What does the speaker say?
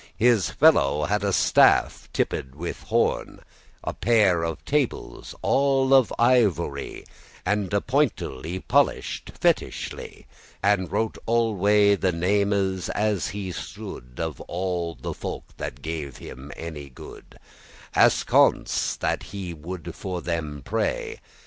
His fellow had a staff tipped with horn, A pair of tables* all of ivory, *writing tablets And a pointel* y polish'd fetisly, *pencil daintily And wrote alway the names, as he stood; Of all the folk that gave them any good, Askaunce* that he woulde for them pray.